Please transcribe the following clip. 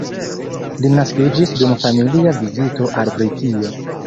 Li naskiĝis dum familia vizito al Britio.